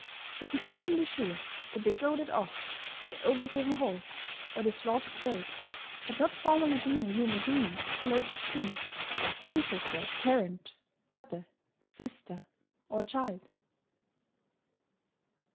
Who could even be sure that the goaded ox, the over driven horse, or the slaughtered bird, had not formerly been a human being of closest kin, ancestor, parent, brother, sister, or child?